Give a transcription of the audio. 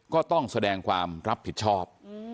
ก็ต้องแสดงความรับผิดชอบ